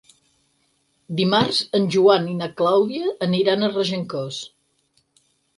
Dimarts en Joan i na Clàudia aniran a Regencós.